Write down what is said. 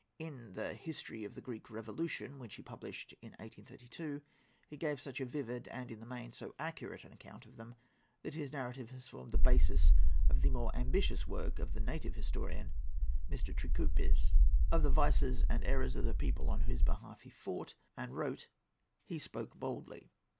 In the "History of the Greek Revolution," which he published in 1832, he gave such a vivid and, in the main, so accurate an account of them that his narrative has formed the basis of the more ambitious work of the native historian, Mr. Trikoupes. Of the vices and errors of the people on whose behalf he fought and wrote he spoke boldly.